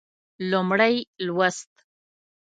لومړی لوست